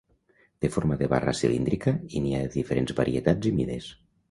Té forma de barra cilíndrica i n'hi ha de diferents varietats i mides.